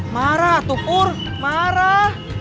marah tuh kur marah